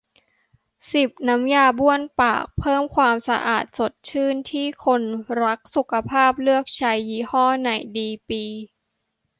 สิบ น้ำยาบ้วนปาก เพิ่มความสะอาด สดชื่น ที่คนรักสุขภาพเลือกใช้ ยี่ห้อไหนดี ปี